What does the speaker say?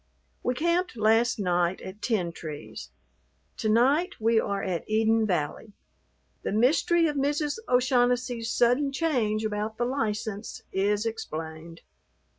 We camped last night at Ten Trees. To night we are at Eden Valley. The mystery of Mrs. O'Shaughnessy's sudden change about the license is explained.